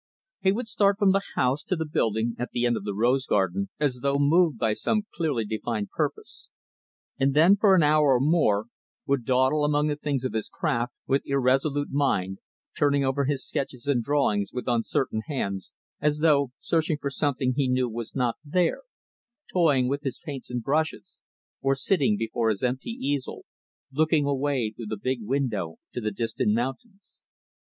He would start from the house to the building at the end of the rose garden, as though moved by some clearly defined purpose and then, for an hour or more, would dawdle among the things of his craft, with irresolute mind turning over his sketches and drawings with uncertain hands, as though searching for something he knew was not there; toying with his paints and brushes; or sitting before his empty easel, looking away through the big window to the distant mountains.